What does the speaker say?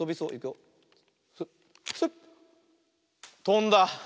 とんだ。